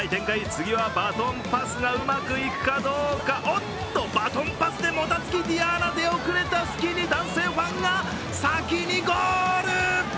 次はバトンパスがうまくいくかどうかおっと、バトンパスでもたつきｄｉａｎａ出遅れた隙に男性ファンが先にゴール！